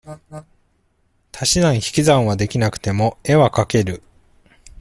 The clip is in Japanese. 足し算引き算は出来なくても、絵は描ける。